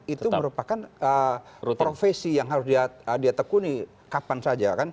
itu merupakan profesi yang harus dia tekuni kapan saja